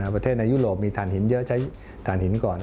ในยุโรปมีฐานหินเยอะใช้ฐานหินก่อน